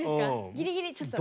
ギリギリちょっと。